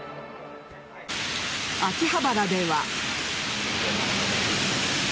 秋葉原では。